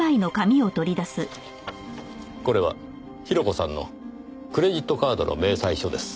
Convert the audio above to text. これは広子さんのクレジットカードの明細書です。